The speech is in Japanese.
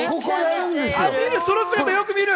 その姿よく見る。